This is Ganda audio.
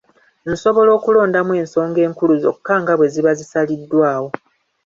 Nsobola okulondamu ensonga enkulu zokka nga bwe ziba zisaliddwawo.